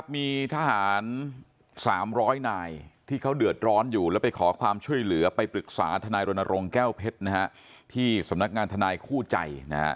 มีทหาร๓๐๐นายที่เขาเดือดร้อนอยู่แล้วไปขอความช่วยเหลือไปปรึกษาทนายรณรงค์แก้วเพชรที่สำนักงานทนายคู่ใจ